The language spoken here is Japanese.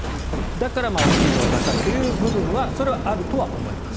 だからお給料が高いという部分はそれはあるとは思います。